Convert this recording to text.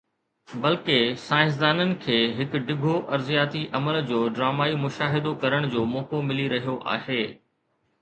بلڪه، سائنسدانن کي هڪ ڊگهو ارضياتي عمل جو ڊرامائي مشاهدو ڪرڻ جو موقعو ملي رهيو آهي.